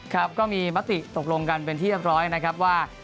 ครับก็มีมติตกลงกันเป็นที่เรียบร้อยนะครับว่า